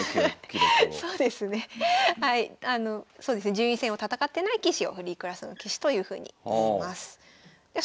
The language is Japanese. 順位戦を戦ってない棋士をフリークラスの棋士というふうにいいます。